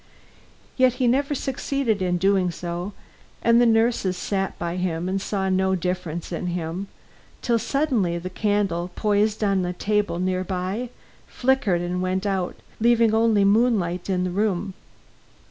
Yet he never succeeded in doing so, and the nurses sat by and saw no difference in him, till suddenly the candle, posed on a table near by, flickered and went out, leaving only moonlight in the room.